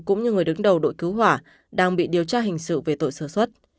cũng như người đứng đầu đội cứu hỏa đang bị điều tra hình sự về tội sử xuất